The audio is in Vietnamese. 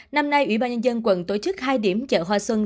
năm nay ủy ban nhân dân quận tổ chức hai điểm chợ hoa xuân